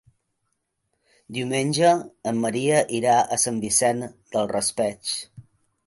Diumenge en Maria irà a Sant Vicent del Raspeig.